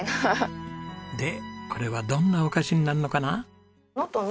でこれはどんなお菓子になるのかな？